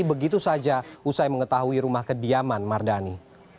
begitu saja usai mengetahui rumah kediaman mardani